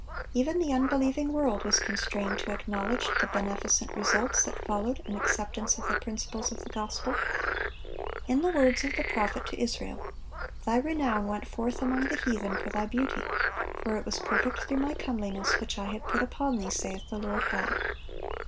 Even the unbelieving world was constrained to acknowledge the beneficent results that followed an acceptance of the principles of the gospel. In the words of the prophet to Israel, "Thy renown went forth among the heathen for thy beauty: for it was perfect through My comeliness, which I had put upon thee, saith the Lord God."